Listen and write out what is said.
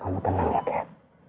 kamu tenang ya kat